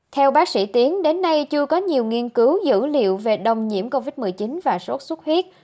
theo bác sĩ tiến đến nay chưa có nhiều nghiên cứu dữ liệu về đồng nhiễm covid một mươi chín và sốt xuất huyết